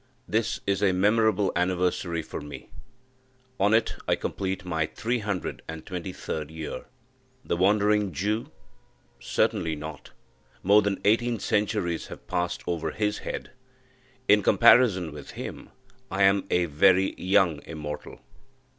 This is a memorable anniversary for me; on it I complete my three hundred and twenty third year! The Wandering Jew? certainly not. More than eighteen centuries have passed over his head. In comparison with him, I am a very young Immortal.